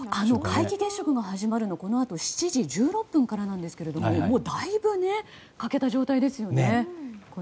皆既月食が始まるのはこのあと７時１６分からなんですがもう、だいぶ欠けた状態ですね。